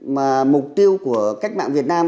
mà mục tiêu của cách mạng việt nam